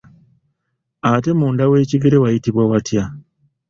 Ate munda w'ekigere wayitibwa watya?